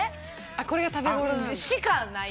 これが食べごろ？しかない。